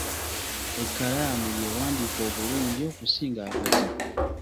Ekkalaamu y’ewandiika obulungi okusinga akati.